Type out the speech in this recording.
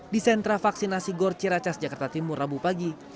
di sentra vaksinasi gor ciracas jakarta timur rabu pagi